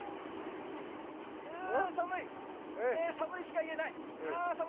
寒い、寒いしか言えない。